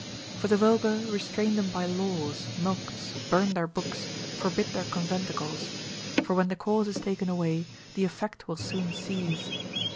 For the vulgar, restrain them by laws, mulcts, burn their books, forbid their conventicles; for when the cause is taken away, the effect will soon cease.